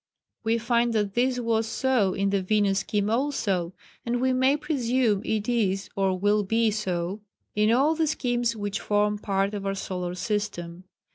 We find that this was so in the Venus scheme also, and we may presume it is or will be so in all the schemes which form part of our Solar system.